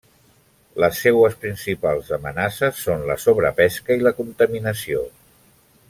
Les seues principals amenaces són la sobrepesca i la contaminació.